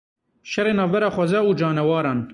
Şerê navbera xweza û caneweran.